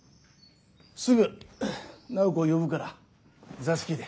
すぐ楠宝子を呼ぶから座敷で。